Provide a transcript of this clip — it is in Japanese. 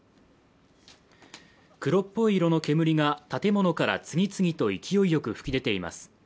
黒っぽい色の煙が建物から次々と勢いよく噴き出ています。